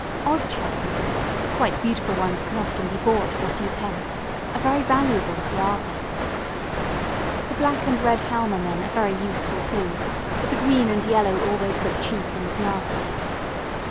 Odd chessmen quite beautiful ones can often be bought for a few pence are very valuable for our purpose. The black and red halma men are very useful too, but the yellow and green always look cheap and nasty.